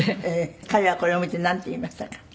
彼はこれを見てなんて言いましたか？